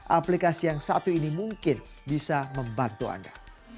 aplikasi yang satu ini mungkin bisa membantu anda